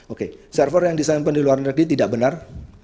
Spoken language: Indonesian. oke server yang disampan di luar negeri tidak benar